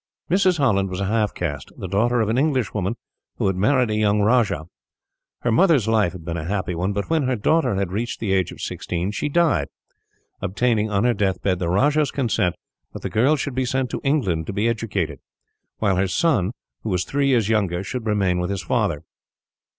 Mrs. Holland was a half caste, the daughter of an English woman who had married a young rajah. Her mother's life had been a happy one; but when her daughter had reached the age of sixteen, she died, obtaining on her deathbed the rajah's consent that the girl should be sent to England to be educated, while her son, who was three years younger, should remain with his father.